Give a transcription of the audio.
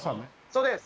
そうです。